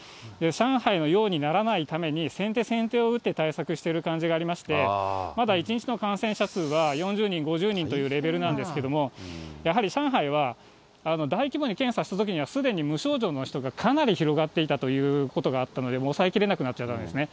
上海のようにならないために、先手先手を打って対策している感じがありまして、まだ１日の感染者数は４０人、５０人というレベルなんですけども、やはり上海は、大規模に検査したときには、すでに無症状の人がかなり広がっていたということがあったので、もう抑えきれなくなっちゃったんですね。